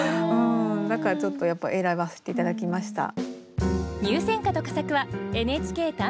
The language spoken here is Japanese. だからちょっとやっぱ選ばせて頂きました。